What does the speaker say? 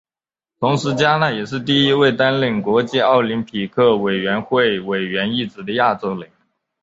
同时嘉纳也是第一位担任国际奥林匹克委员会委员一职的亚洲人。